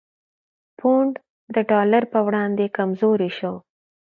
پونډ د ډالر په وړاندې کمزوری شو؛